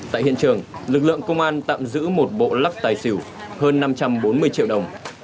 tại hiện trường lực lượng công an tạm giữ một bộ lắc tài xỉu hơn năm trăm bốn mươi triệu đồng